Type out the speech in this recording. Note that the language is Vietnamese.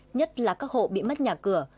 nhất là các hộ bị mất nhà cửa